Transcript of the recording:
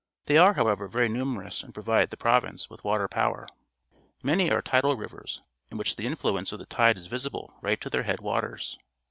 They are, however, verj' numerous and pro vide the pro^•ince with water power. Many are tidal rivers, m which the influence of the tide is vdsible right to their head waters.